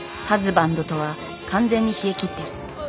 ハズバンドとは完全に冷えきってる。